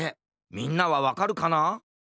みんなはわかるかな？